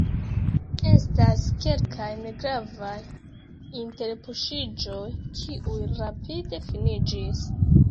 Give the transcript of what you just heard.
Estas kelkaj negravaj interpuŝiĝoj, kiuj rapide finiĝis.